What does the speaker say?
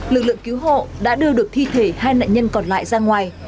lực lượng cứu hộ đã đưa được thi thể hai nạn nhân còn lại ra ngoài